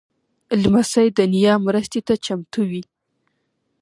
لمسی د نیا مرستې ته چمتو وي.